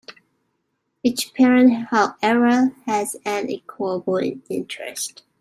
Each parent, however, has an equal voting interest.